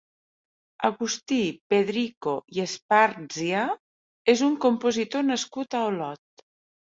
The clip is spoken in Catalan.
Agustí Pedrico i Espàrzia és un compositor nascut a Olot.